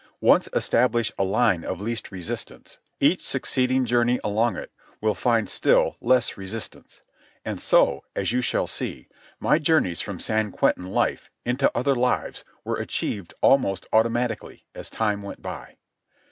Once establish a line of least resistance, every succeeding journey along it will find still less resistance. And so, as you shall see, my journeys from San Quentin life into other lives were achieved almost automatically as time went by.